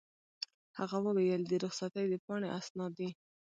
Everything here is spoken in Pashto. هغه وویل: د رخصتۍ د پاڼې اسناد دي.